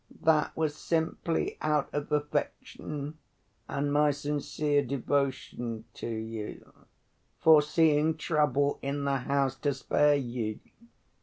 "That was simply out of affection and my sincere devotion to you, foreseeing trouble in the house, to spare you.